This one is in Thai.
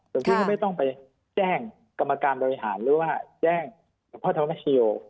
ลดพี่มันไม่ต้องไปแจ้งกรรมการบริหารว่าแจ้งพ่อธรรมชิโย